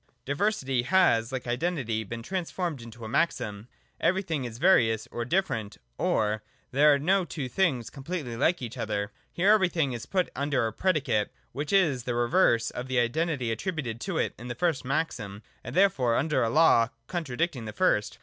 Diversity has, like Identity, been transformed into a maxim: 'Everything is various or different': or, 'There are no two things completely like each other.' Here Everything is put under a predicate, which is the re verse of the identity attributed to it in the first maxim ; and therefore under a law contradicting the first.